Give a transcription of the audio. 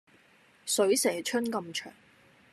水蛇春咁長